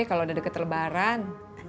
kalau udah deket lebaran